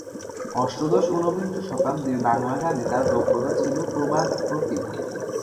অষ্টাদশ-ঊনবিংশ শতাব্দীর বাংলা গানে তার দক্ষতা ছিল প্রবাদপ্রতিম।